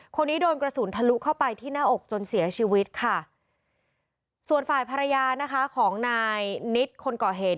คนนี้โดนกระสุนทะลุเข้าไปที่หน้าอกจนเสียชีวิตค่ะส่วนฝ่ายภรรยานะคะของนายนิดคนก่อเหตุ